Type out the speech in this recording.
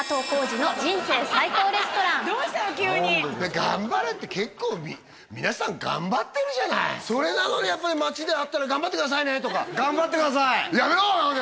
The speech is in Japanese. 急に頑張れって結構皆さん頑張ってるじゃないそれなのにやっぱり街で会ったら頑張ってくださいねとか頑張ってくださいやめろ！